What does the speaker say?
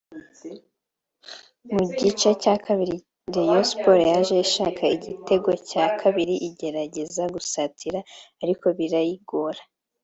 Mu gice cya kabiri Rayon Sports yaje ishaka igitego cya kabiri igerageza gusatira ariko birayigora